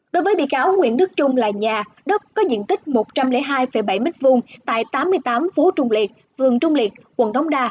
đối với bị cáo nguyễn đức trung là nhà đất có diện tích một trăm linh hai bảy m hai tại tám mươi tám phố trung liệt vườn trung liệt quận đống đa